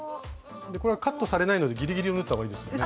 これはカットされないのでギリギリを縫った方がいいですよね。